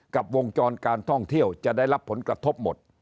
วงจรการท่องเที่ยวจะได้รับผลกระทบหมด